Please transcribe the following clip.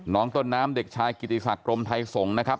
น้องต้นน้ำเด็กชายกิติศักดิ์กรมไทยสงฆ์นะครับ